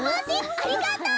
ありがとう！